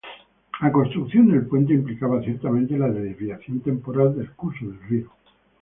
La construcción del puente implicaba ciertamente la desviación temporal del curso del río.